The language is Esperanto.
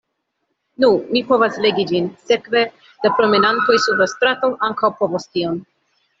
Nu, mi povas legi ĝin, sekve: la promenantoj sur la strato ankaŭ povos tion.